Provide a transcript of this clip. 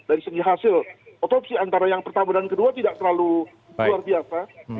dari segi hasil otopsi antara yang pertama dan kedua tidak terlalu luar biasa